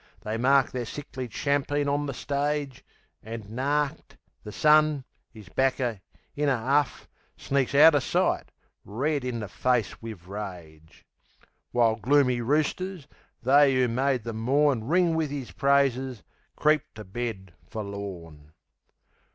They mark their sickly champeen on the stage, An' narked, the sun, 'is backer, in a huff, Sneaks outer sight, red in the face wiv rage. W'ile gloomy roosters, they 'oo made the morn Ring wiv 'is praises, creep to bed forlorn.